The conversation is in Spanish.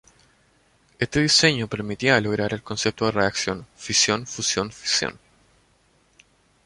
Este diseño permitía lograr el concepto de reacción fisión-fusión-fisión.